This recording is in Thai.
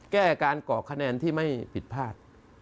แก้การก่อคะแนนที่ไม่ผิดพลาด